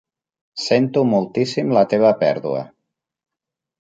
Sento moltíssim la teva pèrdua.